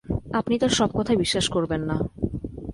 আপনি তার সব কথা বিশ্বাস করবেন না।